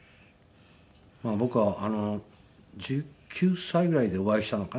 僕は１９歳ぐらいでお会いしたのかな？